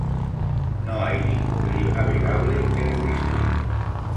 No hay ningún río navegable en el distrito.